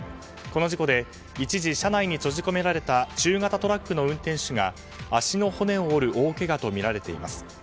この事故で一時車内に閉じ込められた中型トラックの運転手が足の骨を折る大けがとみられています。